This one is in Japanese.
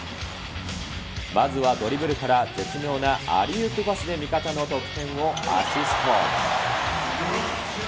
まずはドリブルから絶妙なアリウープパスで味方の得点をアシスト。